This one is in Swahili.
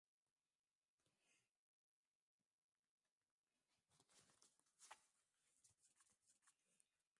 lakini sio kwa kwenda kupiga kura naona hata nimepiga kura